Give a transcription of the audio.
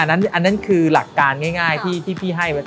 อันนั้นคือหลักการง่ายที่พี่ให้ไว้